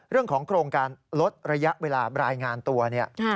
เรื่องของโครงการลดระยะเวลารายงานตัวเนี่ย